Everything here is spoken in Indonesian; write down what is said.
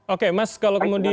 oke mas kalau kemudian